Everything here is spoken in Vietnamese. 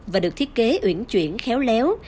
và được thiết kế uyển chuyển khéo léo